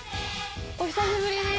お久しぶりです。